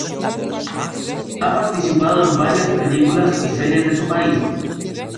Ha participado en varias películas y series de su país.